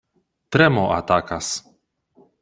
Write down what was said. Tremo atakas.